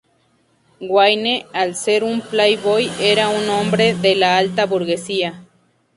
Wayne, al ser un playboy, era un hombre de la alta burguesía.